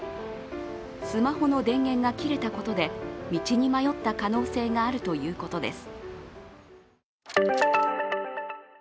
スマホの電源が切れたことで道に迷った可能性があるということです。